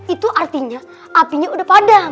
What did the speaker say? itu artinya apinya udah padam